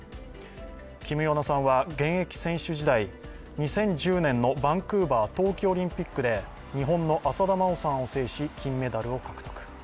キム・ヨナさんは現役選手時代、２０１０年のバンクーバー冬季オリンピックで日本の浅田真央さんを制し金メダルを獲得。